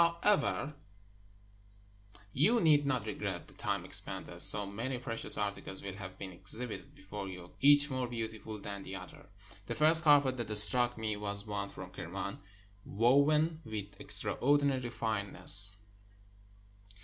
However, you need not regret the time expended, so many precious articles will have been exhibited before you, each more beautiful than the other. The first carpet that struck me was one from Kerman, woven with extraordinary fineness.